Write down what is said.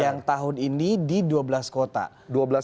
yang tahun ini di dua belas kota